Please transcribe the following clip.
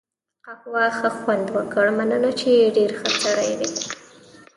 قهوې ښه خوند وکړ، مننه، چې ډېر ښه سړی وې.